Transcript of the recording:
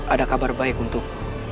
ada kabar baik untuk